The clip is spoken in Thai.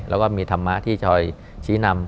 แล้วก็มีธรรมะที่คอยชี้นำ